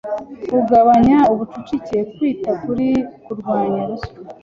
kugabanya ubucucike, kwita kuri kurwanya ruswa